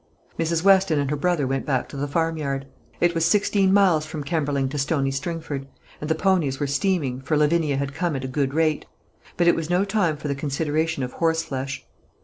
Mrs. Weston and her brother went back to the farmyard. It was sixteen miles from Kemberling to Stony Stringford; and the ponies were steaming, for Lavinia had come at a good rate. But it was no time for the consideration of horseflesh.